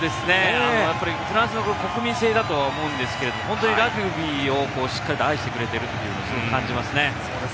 フランスの国民性だと思うんですけれども、本当にラグビーをしっかりと愛してくれているという感じますね。